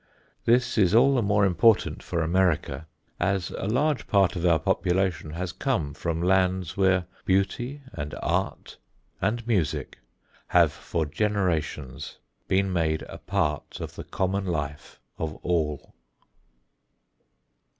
This is all the more important for America, as a large part of our population has come from lands where beauty and art and music have for generations been made a part of the common life of all.